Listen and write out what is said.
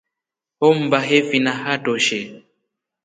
Hommba hefina haatoshe.